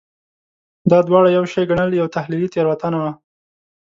دا دواړه یو شی ګڼل یوه تحلیلي تېروتنه وه.